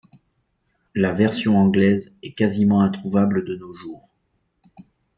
La version anglaise est quasiment introuvable de nos jours.